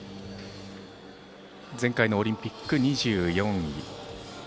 前回のオリンピック２４位。